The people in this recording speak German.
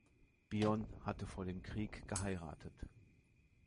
Bion hatte vor dem Krieg geheiratet.